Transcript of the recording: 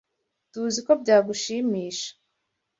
TUZI ko byagushimisha.